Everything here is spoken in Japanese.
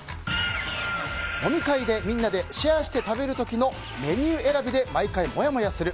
飲み会でみんなでシェアして食べる時のメニュー選びで毎回モヤモヤする。